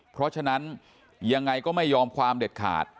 เพราะฉะนั้นยังไงก็ไม่ยอมความเด็ดขาด